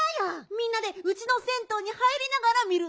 みんなでうちの銭湯に入りながら見るんだよ。